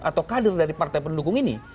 atau kader dari partai pendukung ini